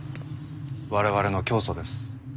我々の教祖です。